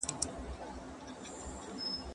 څوک چي انسان خرڅ کړي هغه د خدای دښمن دی.